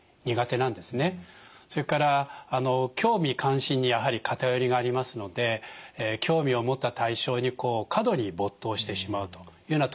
それから興味関心にやはり偏りがありますので興味を持った対象に過度に没頭してしまうというような特徴があります。